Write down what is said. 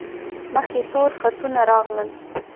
مخ یې تور خطونه راغلل.